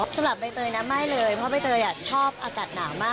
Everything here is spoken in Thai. สำหรับใบเตยนะไม่เลยเพราะใบเตยชอบอากาศหนาวมาก